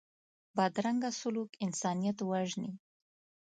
بدرنګه سلوک انسانیت وژني